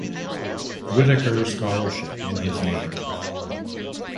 Whitaker Scholarship in his name.